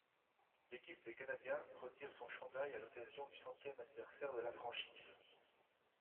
L'équipe des Canadiens retire son chandail à l'occasion du centième anniversaire de la franchise.